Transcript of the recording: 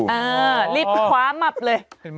เออรีบคว้ามับเลย